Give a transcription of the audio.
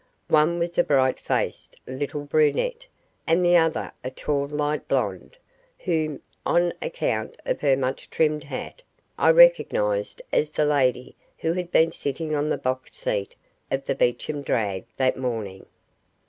One was a bright faced little brunette, and the other a tall light blonde, whom, on account of her much trimmed hat, I recognized as the lady who had been sitting on the box seat of the Beecham drag that morning.